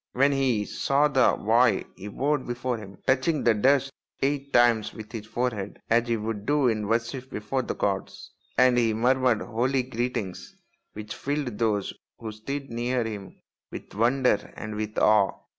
When he saw the boy he bowed before him, touching the dust eight times with his forehead as he would do in worship before the gods ; and he murmured holy greetings which filled those who stood near him with wonder and with awe.